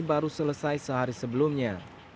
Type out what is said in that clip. baru selesai sehari sebelumnya